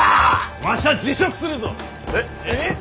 わしゃ辞職するぞ！え？